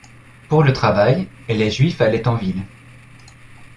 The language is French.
Pour le travail, les Juifs allaient en ville.